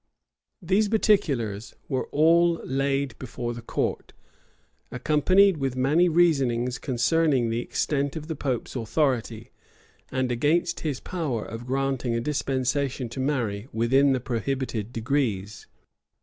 These particulars were all laid before the court; accompanied with many reasonings concerning the extent of the pope's authority, and against his power of granting a dispensation to marry within the prohibited degrees.